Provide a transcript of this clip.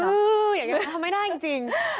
อย่างนี้ทำไม่ได้จริง